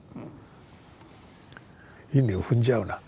稲を踏んじゃうな。